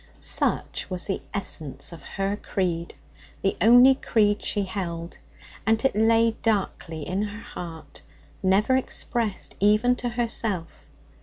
Such was the essence of her creed, the only creed she held, and it lay darkly in her heart, never expressed even to herself.